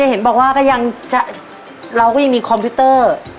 เห็นบอกว่าก็ยังเราก็ยังมีคอมพิวเตอร์